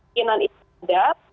mungkinan itu tidak